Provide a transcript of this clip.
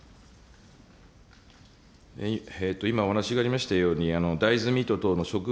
今お話がありましたように、ダイズミート等の植物